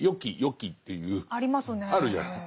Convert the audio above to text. あるじゃない。